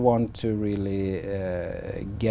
anh có thể chia sẻ